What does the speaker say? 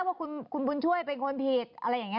ว่าคุณบุญช่วยเป็นคนผิดอะไรอย่างนี้